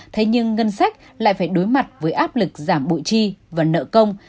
thế nhưng ngân sách lại phải đối mặt với áp lực giảm bội chi và nợ công